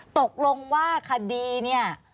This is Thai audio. ตกลงว่าคดีเนี่ย